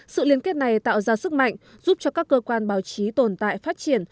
sự liên kết này tạo ra sức mạnh giúp cho các cơ quan báo chí tồn tại phát triển